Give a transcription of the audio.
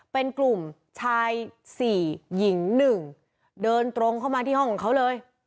เป็นกลุ่มชาย๔หญิง๑เดินตรงเข้ามาที่ห้องของเขาเลย